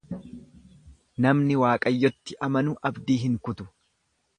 Namni Waaqayyootti amanu abdii hin kutu.